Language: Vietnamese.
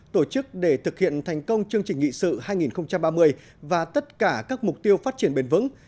tổ chức để thực hiện thành công chương trình nghị sự hai nghìn ba mươi và tất cả các mục tiêu phát triển bền vững